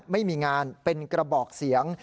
ไม่มีงานเป็นกระบอกเสียง